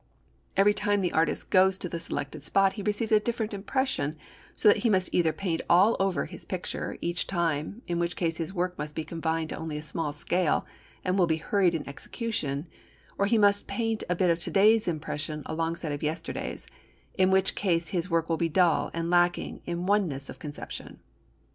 Every time the artist goes to the selected spot he receives a different impression, so that he must either paint all over his picture each time, in which case his work must be confined to a small scale and will be hurried in execution, or he must paint a bit of today's impression alongside of yesterday's, in which case his work will be dull and lacking in oneness of conception.